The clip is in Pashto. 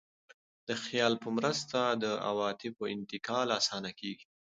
د خیال په مرسته د عواطفو انتقال اسانه کېږي.